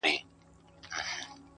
د داســي زيـري انـتــظـار كـومــه.